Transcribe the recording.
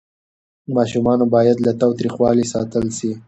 ماشومان باید له تاوتریخوالي ساتل سي.